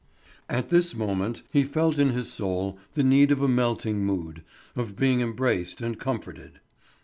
At this moment he felt in his soul the need of a melting mood, of being embraced and comforted.